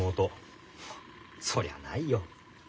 そりゃないよ。